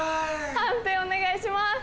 判定お願いします。